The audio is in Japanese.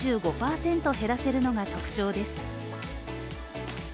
減らせるのが特徴です。